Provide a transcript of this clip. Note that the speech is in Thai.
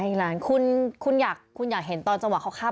ให้ทีละอันคุณคุณอยากคุณอยากเห็นตอนจังหวะเขาคาบ